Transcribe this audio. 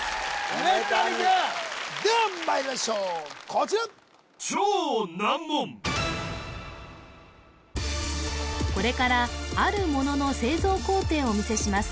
梅谷くんではまいりましょうこちらこれからあるものの製造工程をお見せします